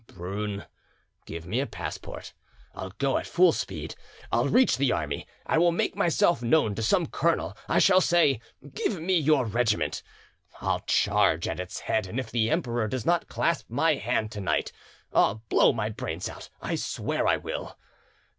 Brune, give me a passport, I'll go at full speed, I'll reach the army, I will make myself known to some colonel, I shall say, 'Give me your regiment.' I'll charge at its head, and if the Emperor does not clasp my hand to night, I'll blow my brains out, I swear I will.